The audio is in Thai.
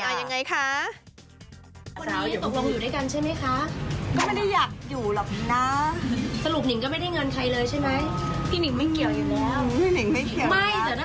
หลอกว่าต้องเงินเยอะ